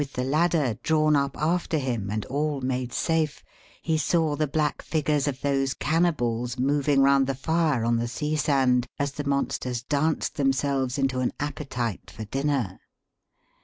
i the ladder drawn up after him and all made safe, he saw the black figures of those Cannibals moving round the fire on the sea sand, as the monsters danced themselves into an appetite for dinner.